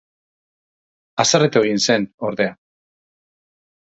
Haserretu egin zen, ordea.